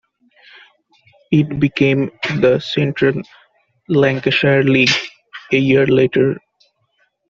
It became the Central Lancashire League a year later.